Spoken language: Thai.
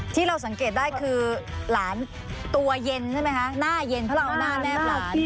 ที่เราสังเกตได้คือหลานตัวเย็นใช่ไหมคะหน้าเย็นเพราะเราเอาหน้าแนบหลาน